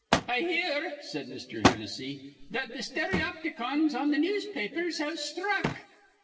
] "I hear," said Mr. Hennessy, "that th' stereopticons on th' newspapers have sthruck."